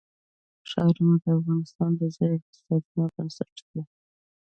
ښارونه د افغانستان د ځایي اقتصادونو بنسټ دی.